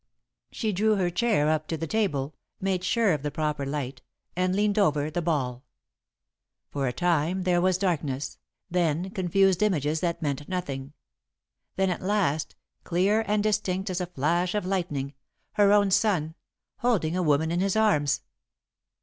She drew her chair up to the table, made sure of the proper light, and leaned over the ball. For a time there was darkness, then confused images that meant nothing, then at last, clear and distinct as a flash of lightning, her own son, holding a woman in his arms.